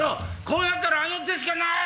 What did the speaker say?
こうなったらあの手しかない！